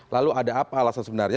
lalu ada apa alasan sebenarnya